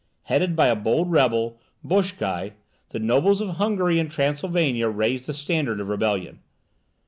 Headed by a bold rebel, Boschkai, the nobles of Hungary and Transylvania raised the standard of rebellion.